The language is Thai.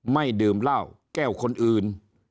ไม่ดื่มล่าวแก้วคนอื่น